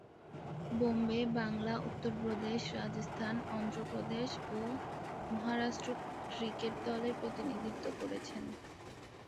বোম্বে, বাংলা, উত্তরপ্রদেশ, রাজস্থান, অন্ধ্রপ্রদেশ ও মহারাষ্ট্র ক্রিকেট দলের প্রতিনিধিত্ব করেছেন।